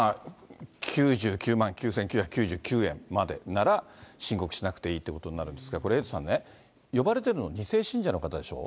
９９万９９９９円までなら申告しなくていいということになるんですが、これ、エイトさんね、呼ばれてるのは２世信者の方でしょ。